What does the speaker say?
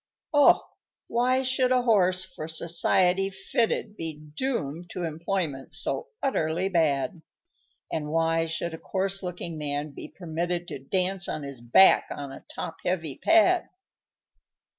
_ _Oh! why should a horse, for society fitted, Be doomed to employment so utterly bad, And why should a coarse looking man be permitted To dance on his back on a top heavy pad?